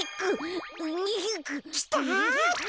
きた！